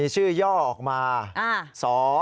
ชื่อย่อออกมา